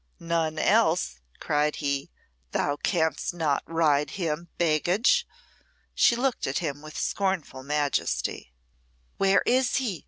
"None else?" cried he. "Thou canst not ride him, baggage!" She looked at him with scornful majesty. "Where is he?"